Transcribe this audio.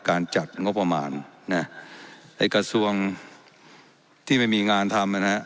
จัดงบประมาณนะไอ้กระทรวงที่ไม่มีงานทำนะฮะ